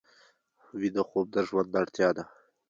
ویده خوب د ژوند اړتیا ده